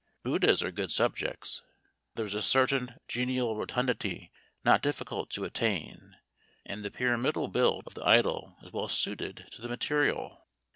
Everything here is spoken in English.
Buddhas are good subjects; there is a certain genial rotundity not difficult to attain, and the pyramidal build of the idol is well suited to the material.